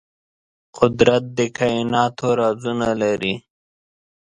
قدرت د کائناتو رازونه لري.